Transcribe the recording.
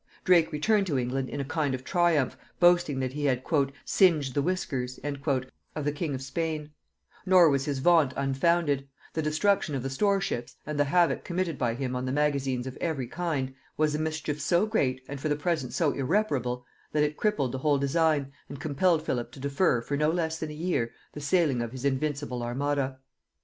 Drake returned to England in a kind of triumph, boasting that he had "singed the whiskers" of the king of Spain: nor was his vaunt unfounded; the destruction of the store ships, and the havoc committed by him on the magazines of every kind, was a mischief so great, and for the present so irreparable, that it crippled the whole design, and compelled Philip to defer, for no less than a year, the sailing of his invincible armada.